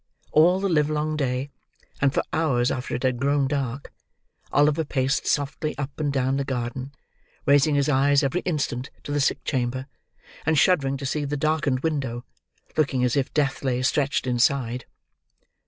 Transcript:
All the livelong day, and for hours after it had grown dark, Oliver paced softly up and down the garden, raising his eyes every instant to the sick chamber, and shuddering to see the darkened window, looking as if death lay stretched inside.